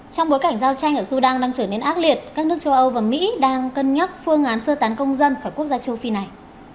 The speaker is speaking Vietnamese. trong bối cảnh giao tranh ở sudan đang trở nên ác liệt các nước châu âu và mỹ đang cân nhắc phương án sơ tán công dân khỏi quốc gia châu phi này